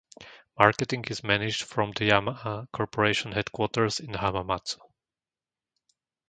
Marketing is managed from the Yamaha Corporation headquarters in Hamamatsu.